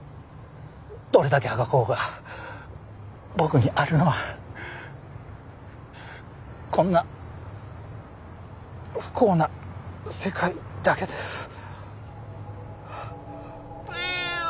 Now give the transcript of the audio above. どれだけあがこうが僕にあるのはこんな不幸な世界だけです。